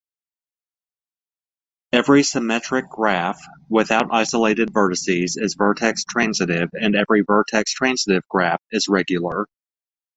Every symmetric graph without isolated vertices is vertex-transitive, and every vertex-transitive graph is regular.